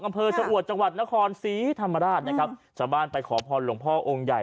อำเภอชะอวดจังหวัดนครศรีธรรมราชนะครับชาวบ้านไปขอพรหลวงพ่อองค์ใหญ่